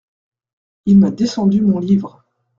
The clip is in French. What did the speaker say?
Il m’a descendu mon livre.